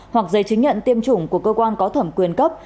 hoặc giấy chứng nhận tiêm chủng của cơ quan có thẩm quyền cấp